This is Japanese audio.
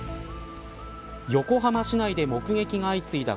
横浜市内で目撃が相次いだ